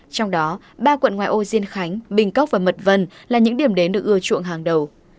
trong đó ba quận ngoài ô diên khánh bình cốc và mật vân là những điểm đến được ưa chuộng hàng đầu